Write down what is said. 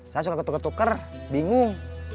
saya suka ketuker tuker bingung